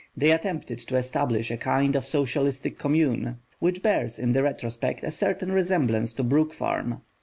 They attempted to establish a kind of socialistic community, which bears in the retrospect a certain resemblance to Brook Farm.